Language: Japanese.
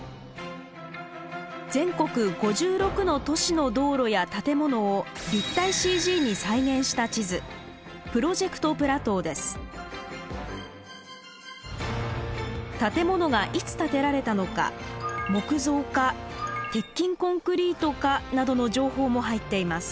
全国５６の都市の道路や建物を立体ＣＧに再現した地図建物がいつ建てられたのか木造か鉄筋コンクリートかなどの情報も入っています。